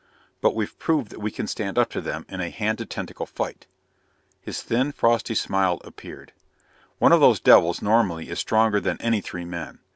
"But we've proved that we can stand up to them in a hand to tentacle fight " His thin, frosty smile appeared. "One of those devils, normally, is stronger than any three men.